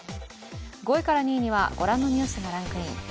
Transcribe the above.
５位から２位にはご覧のニュースがランクイン。